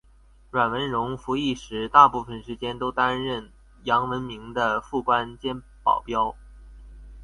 阮文戎服役时大部分时间都担任杨文明的副官兼保镖。